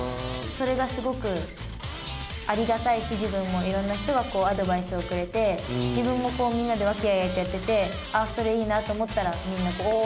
それがすごくありがたいしいろんな人がアドバイスをくれて自分も、みんなで和気あいあいとやっていてそれいいなと思ったらみんな、おお！